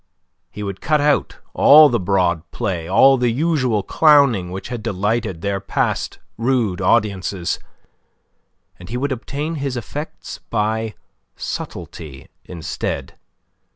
He would cut out all the broad play, all the usual clowning which had delighted their past rude audiences, and he would obtain his effects by subtlety instead.